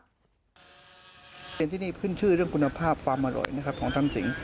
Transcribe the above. ทุเรียนที่นี่ขึ้นชื่อเรื่องคุณภาพฟาร์มอร่อยของท่ำสิงฯ